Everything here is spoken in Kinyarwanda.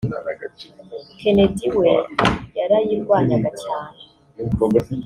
Kennedy we yarayirwanyaga cyane